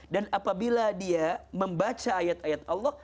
dan apabila dia membaca ayat ayat allah